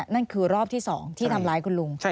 นั่นคือรอบที่๒ที่ทำร้ายคุณลุง